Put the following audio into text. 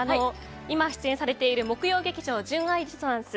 今出演されている木曜劇場「純愛ディソナンス」